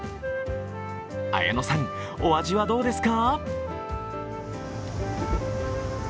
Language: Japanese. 綾乃さん、お味はどうですか？